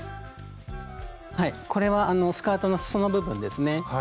これはスカートのすその部分ですね。